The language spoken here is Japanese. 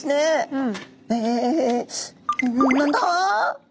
うん。